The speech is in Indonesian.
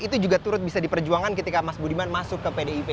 itu juga turut bisa diperjuangkan ketika mas budiman masuk ke pdip